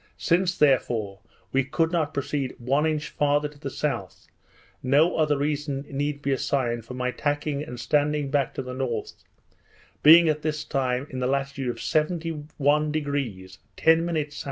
Since, therefore, we could not proceed one inch farther to the south, no other reason need be assigned for my tacking and standing back to the north; being at this time in the latitude of 71° 10' S.